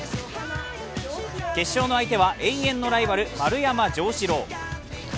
決勝の相手は永遠のライバル・丸山城志郎。